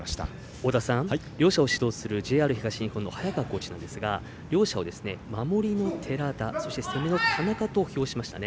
太田さん、両者を指導するＪＲ東日本の早川コーチですが両者を守りの寺田攻めの田中と評しましたね。